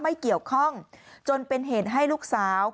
ไม่เกี่ยวข้องจนเป็นเหตุให้ลูกสาว